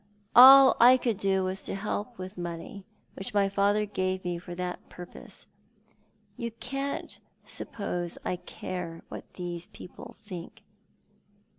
All I could do was to help with money — which my father gave me for that purpose. You can't suppose I care what these people think."